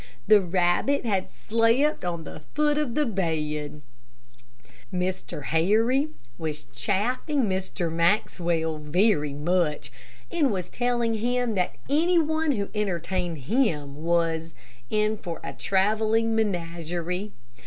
The rabbit had slept on the foot of the bed. Mr. Harry was chaffing Mr. Maxwell very much, and was telling him that any one who entertained him was in for a traveling menagerie.